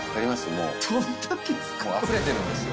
もうあふれてるんですよ。